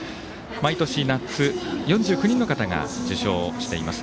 毎年、夏、４９人の方が受賞しています。